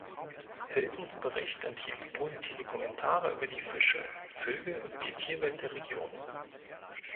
Hiltons Bericht enthielt positive Kommentare über die Fische, Vögel und die Tierwelt der Region.